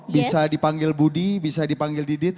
bisa dipanggil budi bisa dipanggil didit